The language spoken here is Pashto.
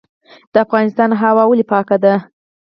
د افغانستان هوا ولې پاکه ده؟